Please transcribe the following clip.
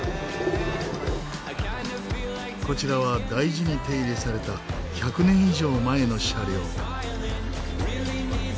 こちらは大事に手入れされた１００年以上前の車両。